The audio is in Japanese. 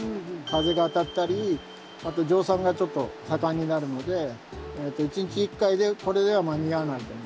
風が当たったりあと蒸散がちょっと盛んになるので１日１回でこれでは間に合わない。